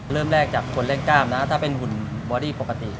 เริ่มแรกจากคนเล่นกล้ามนะถ้าเป็นหุ่นบอดี้ปกติ